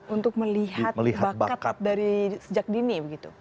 untuk melihat bakat dari sejak dini begitu